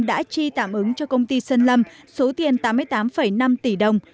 đã chi tạm ứng cho công ty sơn lâm số tiền tám mươi tám năm tỷ đồng